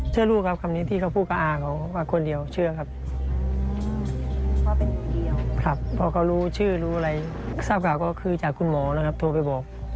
ยืนยันของคุณหมอเหรอใช่ครับ